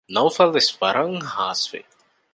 ނައުފަލުވެސް ވަރަށް ހާސްވި